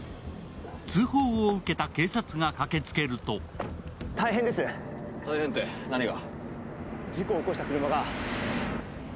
通報を受けた警察が駆けつけると大変って何が？